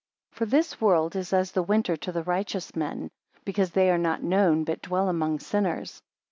3 For this world is as the winter to the righteous men, because they are not known, but dwell among sinners.